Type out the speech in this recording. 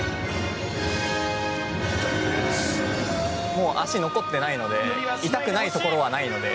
もう足、残ってないので痛くないところはないので。